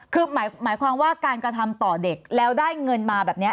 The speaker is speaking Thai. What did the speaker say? คือหมายความว่าการกระทำต่อเด็กแล้วได้เงินมาแบบนี้